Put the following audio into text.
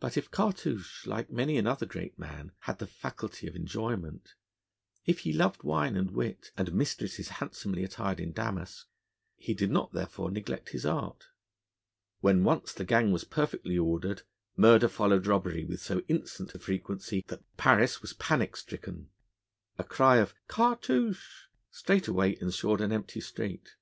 But if Cartouche, like many another great man, had the faculty of enjoyment, if he loved wine and wit, and mistresses handsomely attired in damask, he did not therefore neglect his art. When once the gang was perfectly ordered, murder followed robbery with so instant a frequency that Paris was panic stricken. A cry of 'Cartouche' straightway ensured an empty street.